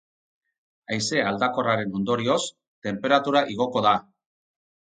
Haize aldakorraren ondorioz, tenperatura igoko da.